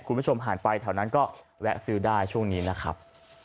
คุณผู้ชมผ่านไปแถวนั้นก็แวะซื้อได้ช่วงนี้นะครับ